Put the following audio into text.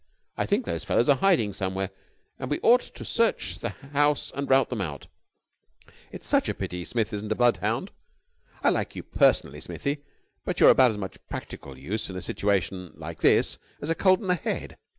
I think those fellows are hiding somewhere, and we ought to search the house and rout them out. It's a pity Smith isn't a bloodhound. I like you personally, Smithy, but you're about as much practical use in a situation like this as a cold in the head.